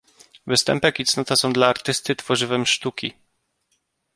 Występek i cnota są dla artysty tworzywem sztuki.